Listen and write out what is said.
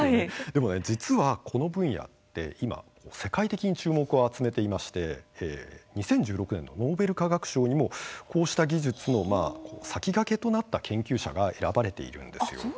でも実はこの分野って、今世界的に注目を集めていまして２０１６年のノーベル化学賞にもこうした技術の先駆けとなった研究者が選ばれているんです。